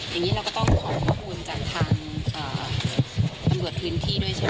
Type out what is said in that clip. อย่างนี้เราก็ต้องขอข้อมูลจากทางตำรวจพื้นที่ด้วยใช่ไหม